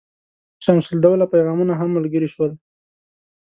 شمس الدوله پیغامونه هم ملګري شول.